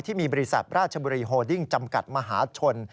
บริษัทราชบุรีโฮดิ้งจำกัดมหาชน